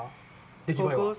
出来栄えは？